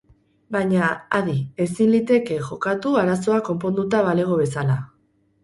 Baina, adi, ezin liteke jokatu arazoa konponduta balego bezala.